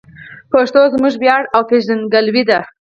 پښتو زموږ ویاړ او پېژندګلوي ده.